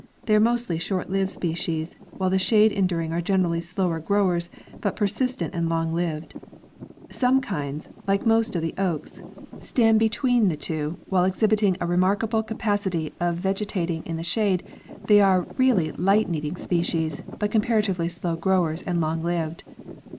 They are mostly short lived species, while the shade enduring are generally slower growers, but persistent and long lived. Some kinds, like most of the oaks, stand be =. iM The Struggles for Existence. 135 tween the two; while exhibiting a remarkable capacity of vege tating in the shade, they are really light needing species but comparatively slow growers and long lived.